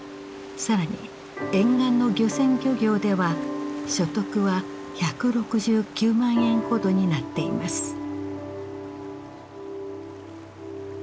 更に沿岸の漁船漁業では所得は１６９万円ほどになっています。